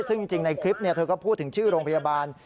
ซึ่งจริงในคลิปเธอก็พูดถึงชื่อโรงพยาบาล